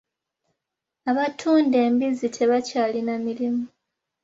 Abatunda embizzi tebakyalina mirimu.